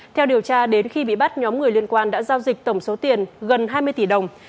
theo điều tra đến khi bị bắt nhóm người liên quan đã giao dịch tổng số tiền gần hai mươi tỷ đồng